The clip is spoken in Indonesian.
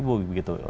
sebagai ibu gitu